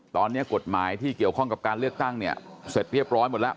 ตอนนี้กฎหมายที่เกี่ยวข้องกับการเลือกตั้งเนี่ยเสร็จเรียบร้อยหมดแล้ว